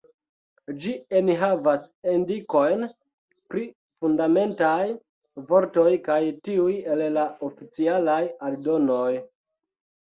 Ĝi enhavas indikojn pri Fundamentaj vortoj kaj tiuj el la Oficialaj Aldonoj.